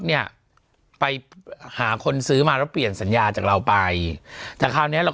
เนี่ยไปหาคนซื้อมาแล้วเปลี่ยนสัญญาจากเราไปแต่คราวเนี้ยเรา